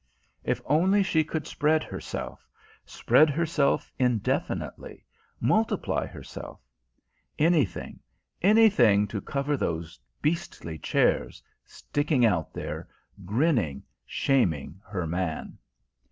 If only she could spread herself spread herself indefinitely multiply herself: anything, anything to cover those beastly chairs: sticking out there, grinning, shaming her man!